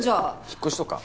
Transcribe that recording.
引っ越しとか？